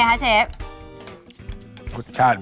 อร่อยจริงออร่อยจริงอ